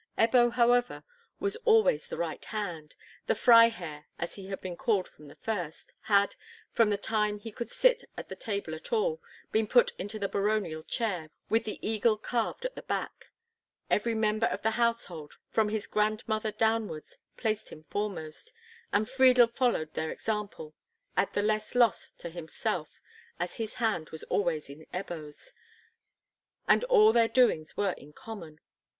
Ebbo however was always the right hand. The Freiherr, as he had been called from the first, had, from the time he could sit at the table at all, been put into the baronial chair with the eagle carved at the back; every member of the household, from his grandmother downwards, placed him foremost, and Friedel followed their example, at the less loss to himself, as his hand was always in Ebbo's, and all their doings were in common.